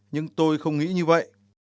nhưng tôi không nghĩ như vậy